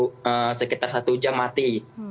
mudah mudahan seperti ini dan sekitar satu jam mati